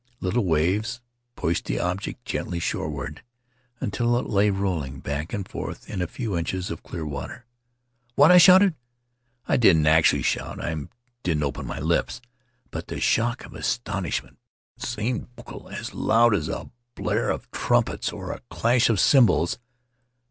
Little waves pushed the object gently shore ward until it lay, rolling back and forth in a few inches of clear water. 'What!' I shouted. I didn't ac tually shout — I didn't open my lips; but the shock of astonishment seemed vocal — as loud as a blare of [? 86 ] The Starry Threshold trumpets or a clash of cymbals.